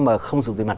mà không dùng tiền mặt